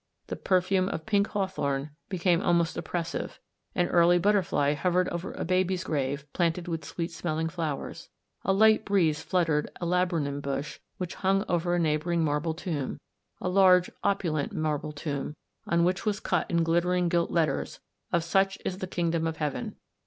The perfume of pink haw thorn became almost oppressive; an early butterfly lighted on a baby's grave planted with sweet smelling flowers. A light breeze fluttered through a laburnum bush which hung over a neighbouring marble tomb, a large, opulent marble tomb, on which was cut IP THE STORY OF A MODERN WOMAN. in glittering gilt letters: "of such is the kingdom of heaven."